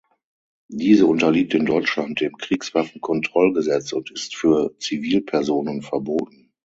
Diese unterliegt in Deutschland dem Kriegswaffenkontrollgesetz und ist für Zivilpersonen verboten.